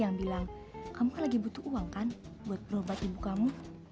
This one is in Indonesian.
yang bilang kamu kan lagi butuh uang kan buat berobat ibu kamu